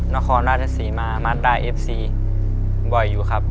มาครราชสิมามาตราเอฟซีบ่อยอยู่ครับ